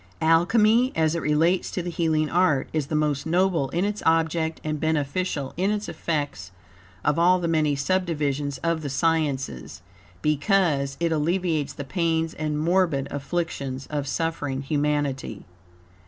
Alchemy, as it relates to the healing art, is the most noble in its object and beneficial in its effects, of all the many subdivisions of the sciences, because, it alleviates the pains and morbid afflictions of suffering humanity.